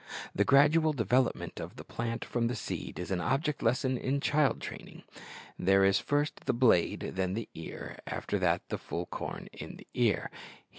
The gradual development of the plant from the seed is an object lesson in child training. There is "first the blade, then the ear, after that the full corn in the ear." He who 1 1 Cor.